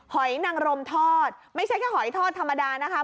หอยนังรมทอดไม่ใช่แค่หอยทอดธรรมดานะคะ